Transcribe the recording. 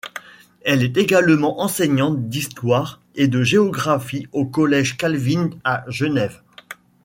Elle est également enseignante d'histoire et de géographie au Collège Calvin à Genève.